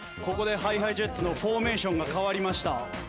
ここでＨｉＨｉＪｅｔｓのフォーメーションが変わりました。